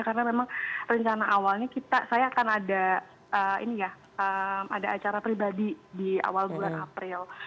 karena memang rencana awalnya saya akan ada acara pribadi di awal bulan april